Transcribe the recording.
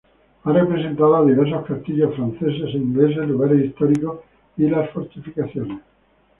Ha representado a diversos castillos franceses e ingleses, lugares históricos, y las fortificaciones.